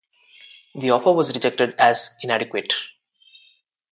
The offer was rejected as inadequate.